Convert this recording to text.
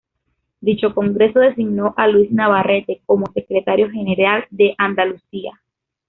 Dicho congreso designó a Luis Navarrete como Secretario General de Andalucía.